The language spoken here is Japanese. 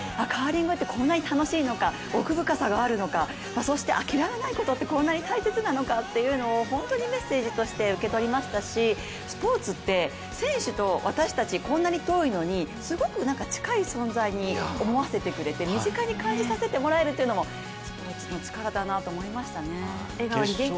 カーリングってこんなに楽しいのか奥深さがあるのか、そして諦めないことってこんなに大切なのかっていうのを本当にメッセージとして受け取りましたしスポーツって、選手と私たちこんなに遠いのにすごく近い存在に思わせてくれて身近に感じさせてもらえるっていうのもスポーツのチカラだなと思いましたね。